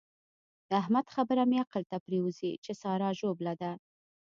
د احمد خبره مې عقل ته پرېوزي چې سارا ژوبله ده.